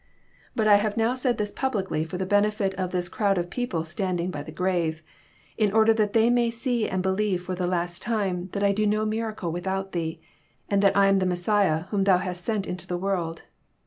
But I hate now said this JOHN, CHAP. XI. 287 publicly, for the benefit of this crowd of people standing by the grave, in order that they may see and believe for the last time that I do no miracle without Thee, and that I am the Messiah whom Thou hast sent into the world.